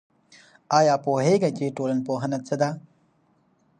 آيا پوهېږئ چي ټولنپوهنه څه ده؟